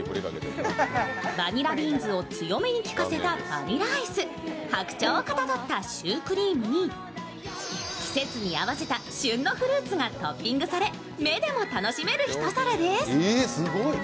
バニラビーンズを強めに利かせたバニラアイス、ハクチョウをかたどったシュークリームに季節に合わせた旬のフルーツがトッピングされ、目でも楽しめる一皿です。